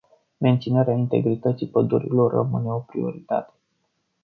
Menținerea integrității pădurilor rămâne o prioritate.